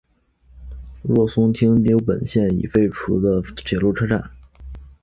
若松町停留场本线已被废除的铁路车站。